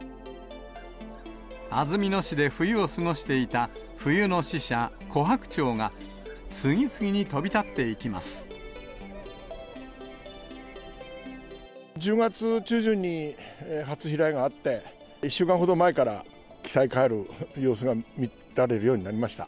安曇野市で冬を過ごしていた冬の使者、コハクチョウが、次々に飛１０月中旬に初飛来があって、１週間ほど前から北へ帰る様子が見られるようになりました。